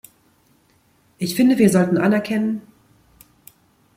Ich finde, wir sollten anerkennen..